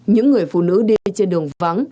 những người phụ nữ đi trên đường vắng